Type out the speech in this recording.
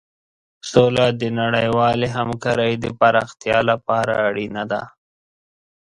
سوله د نړیوالې همکارۍ د پراختیا لپاره اړینه ده.